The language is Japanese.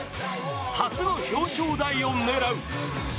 初の表彰台を狙う。